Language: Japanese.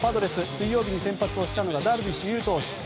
水曜日に先発したのがダルビッシュ有投手。